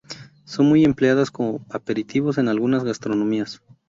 Son muy empleadas como aperitivos en algunas gastronomías.